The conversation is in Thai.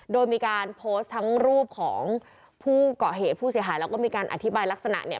โดยมีการโพสต์ทั้งรูปของผู้เกาะเหตุผู้เสียหายแล้วก็มีการอธิบายลักษณะเนี่ย